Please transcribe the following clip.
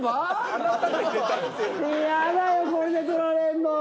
嫌だよこれでとられるの。